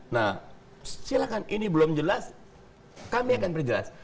nah silakan ini belum jelas kami akan perjelas